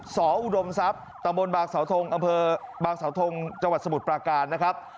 อุดมทรัพย์ตะบนบางสาวทงอำเภอบางสาวทงจังหวัดสมุทรปราการนะครับ